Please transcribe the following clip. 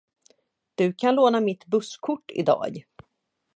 Du kan låna mitt busskort idag.